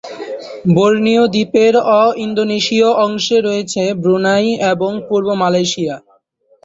Borneo দ্বীপের অ-ইন্দোনেশীয় অংশে রয়েছে ব্রুনাই এবং পূর্ব মালয়েশিয়া।